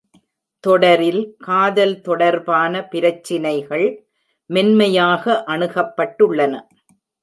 தொடரில் காதல் தொடர்பான பிரச்சினைகள் மென்மையாக அணுகப்பட்டுள்ளன.